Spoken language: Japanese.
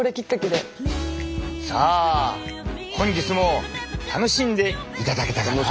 さあ本日も楽しんでいただけたかな？